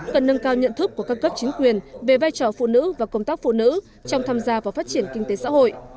cần nâng cao nhận thức của các cấp chính quyền về vai trò phụ nữ và công tác phụ nữ trong tham gia vào phát triển kinh tế xã hội